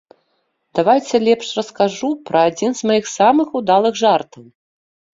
Давайце лепш раскажу пра адзін з маіх самых удалых жартаў.